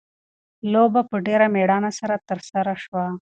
لوبه په ډېره مېړانه سره ترسره شوه.